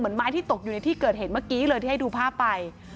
ไม้ที่ตกอยู่ในที่เกิดเหตุเมื่อกี้เลยที่ให้ดูภาพไป